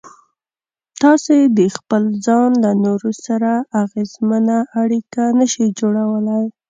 تاسې د خپل ځان له نورو سره اغېزمنه اړيکه نشئ جوړولای.